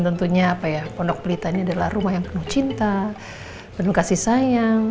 tentunya apa ya pondok pelita ini adalah rumah yang penuh cinta penuh kasih sayang